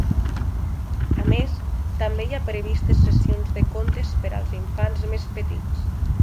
A més, també hi ha previstes sessions de contes per als infants més petits.